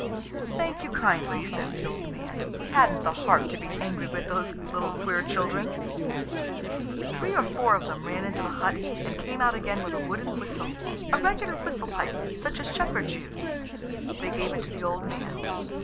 "Thank you kindly," says the old man. He hadn't the heart to be angry with those little queer children. Three or four of them ran into the hut and came out again with a wooden whistle, a regular whistle pipe, such as shepherds use. They gave it to the old man.